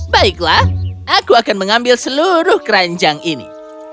baiklah aku akan mengambil seluruh keranjang ini